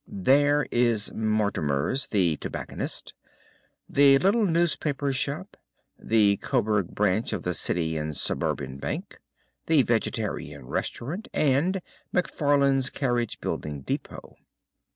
There is Mortimer's, the tobacconist, the little newspaper shop, the Coburg branch of the City and Suburban Bank, the Vegetarian Restaurant, and McFarlane's carriage building depot.